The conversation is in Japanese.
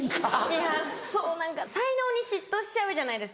いやそう何か才能に嫉妬しちゃうじゃないですか。